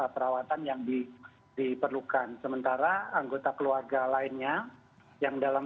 karena kita bisa mem nouve lintas dan kemlangkan berlebihan